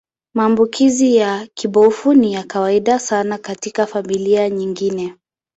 Maambukizi ya kibofu ni ya kawaida sana katika familia nyingine.